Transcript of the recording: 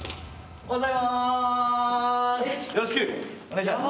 おはようございます！